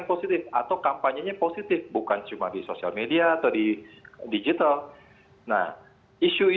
mustahil buat dia fealkan semua itu di lain disini